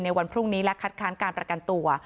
วันพรุ่งนี้และคัดค้านการประกันตัว